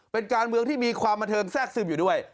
เป็นการเมืองที่มีความบันเทิงแทรกซึมอยู่ด้วย